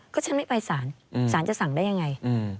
ก็ฉันไม่ไปศาลศาลจะสั่งได้อย่างไร